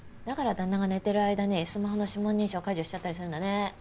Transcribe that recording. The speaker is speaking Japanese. だから旦那が寝てる間にスマホの指紋認証解除しちゃったりするんだね。